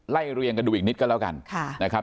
เรียงกันดูอีกนิดก็แล้วกันนะครับ